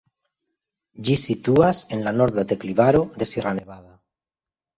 Ĝi situas en la norda deklivaro de Sierra Nevada.